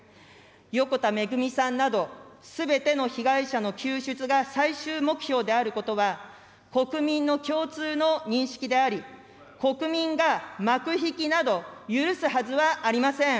横田めぐみさんなど、すべての被害者の救出が最終目標であることは、国民の共通の認識であり、国民が幕引きなど許すはずはありません。